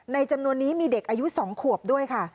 จำนวนนี้มีเด็กอายุ๒ขวบด้วยค่ะ